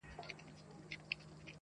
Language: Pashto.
سوچه کاپیر وم چي راتلم تر میخانې پوري,